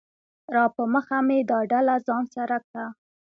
راپه مخه مې دا ډله ځان سره کړه